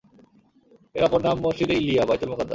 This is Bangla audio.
এর অপর নাম মসজিদে ঈলিয়া— বায়তুল মুকাদ্দাস।